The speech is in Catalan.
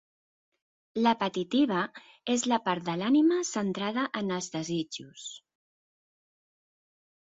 L'apetitiva és la part de l'ànima centrada en els desitjos.